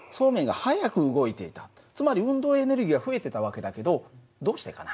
つまり運動エネルギーが増えてた訳だけどどうしてかな？